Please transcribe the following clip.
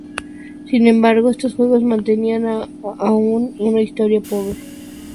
Sin embargo, estos juegos mantenían aún una historia pobre.